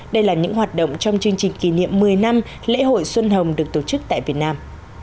đây là những hoạt động trong chương trình kỷ niệm một mươi năm lễ hội xuân hồng được tổ chức tại việt nam